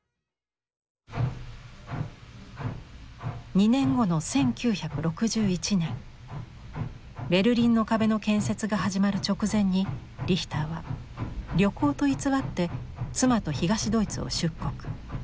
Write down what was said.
２年後の１９６１年ベルリンの壁の建設が始まる直前にリヒターは旅行と偽って妻と東ドイツを出国。